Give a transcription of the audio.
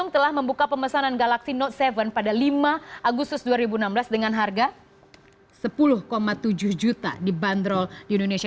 telah membuka pemesanan galaxy note tujuh pada lima agustus dua ribu enam belas dengan harga sepuluh tujuh juta dibanderol di indonesia